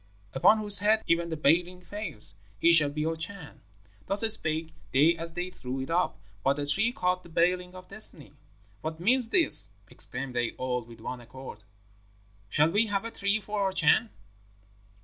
'Upon whose head even the Baling falls, he shall be our Chan.' Thus spake they as they threw it up; but the tree caught the Baling of Destiny. 'What means this?' exclaimed they all with one accord. 'Shall we have a tree for our Chan?'